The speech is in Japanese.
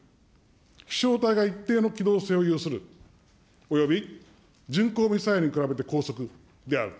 飛しょう体が一定の機動性を有するおよび巡航ミサイルに比べて高速である。